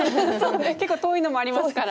結構遠いのもありますから。